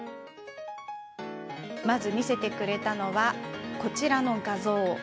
まず、見せてくれたのはこちらの画像。